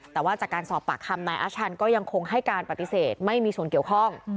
แต่ว่าจากการสอบปากคำนายอาชันก็ยังคงให้การปฏิเสธไม่มีส่วนเกี่ยวข้อง